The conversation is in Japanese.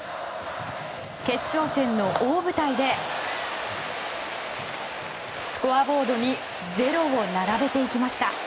決勝戦の大舞台でスコアボードに０を並べていきました。